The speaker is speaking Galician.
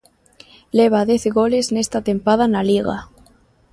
Leva dez goles nesta tempada na Liga.